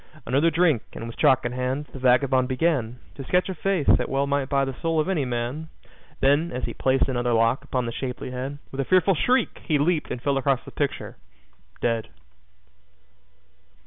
Another drink, and with chalk in hand, the vagabond began To sketch a face that well might buy the soul of any man. Then, as he placed another lock upon the shapely head, With a fearful shriek, he leaped and fell across the picture dead.